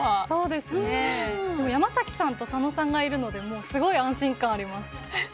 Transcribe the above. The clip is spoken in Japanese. でも、山崎さんと佐野さんがいるのでもう、すごい安心感あります。